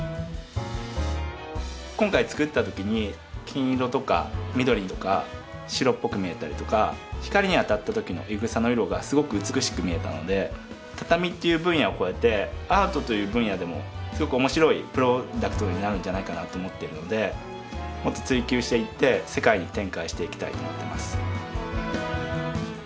今回作った時に金色とか緑とか白っぽく見えたりとか光に当たった時のいぐさの色がすごく美しく見えたので畳という分野を超えてアートという分野でもすごく面白いプロダクトになるんじゃないかなと思っているのでもっと追求していって世界に展開していきたいと思ってます。